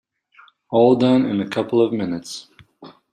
All done in a couple of minutes.